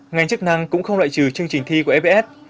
ngành chức năng cũng không lại trừ chương trình thi của ebs